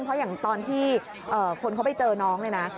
เพราะอย่างตอนที่คนเขาไปเจอน้องเนี่ยนะ